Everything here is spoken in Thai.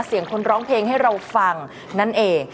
เสียงคนร้องเพลงให้เราฟังนั่นเอง